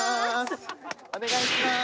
お願いしまーす。